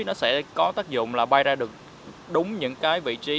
nó sẽ có tác dụng là bay ra được đúng những cái vị trí